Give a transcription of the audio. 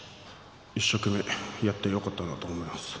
一生懸命やってよかったなと思います。